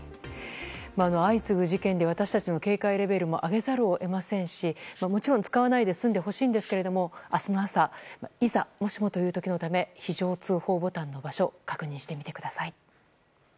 相次ぐ事件で私たちの警戒レベルも上げざるを得ませんしもちろん使わないで済んでほしいんですけど明日の朝いざ、もしもという時のために非常通報ボタンの場所確認してみてください。